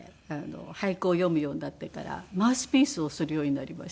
俳句を詠むようになってからマウスピースをするようになりまして。